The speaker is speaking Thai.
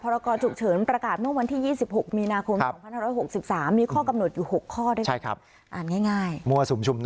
พรกตฉุกเฉินประกาศเมื่อวันที่๒๖มีนาคม๒๖๖๓